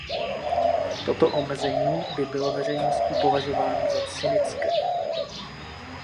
Toto omezení by bylo veřejností považováno za cynické.